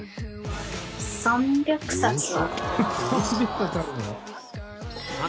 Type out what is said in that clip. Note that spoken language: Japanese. ３００冊は。